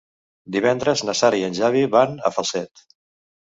Divendres na Sara i en Xavi van a Falset.